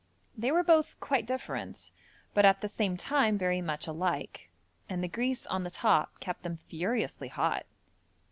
They were both quite different, but at the same time very much alike, and the grease on the top kept them furiously hot.